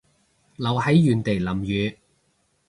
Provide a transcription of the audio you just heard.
留喺原地淋雨